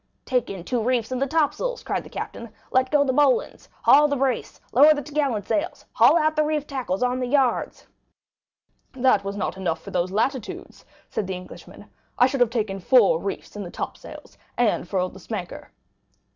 'Take in two reefs in the top sails,' cried the captain; 'let go the bowlin's, haul the brace, lower the top gallant sails, haul out the reef tackles on the yards.'" 20041m "That was not enough for those latitudes," said the Englishman; "I should have taken four reefs in the topsails and furled the spanker."